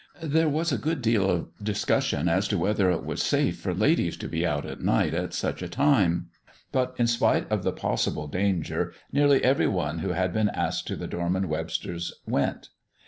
There was a good deal of discussion as to whether it was safe for ladies to be out at night at such a time, but, in spite of the possible danger, nearly every one who had been asked to the Dorman Websters' went.